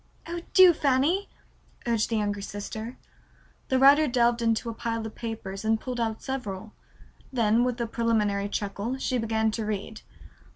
"Oh, do, Fanny," urged the younger sister. The writer delved into the pile of papers and pulled out several. Then, with a preliminary chuckle, she began to read.